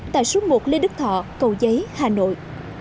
tại số một lê đức thọ cầu giấy hà nội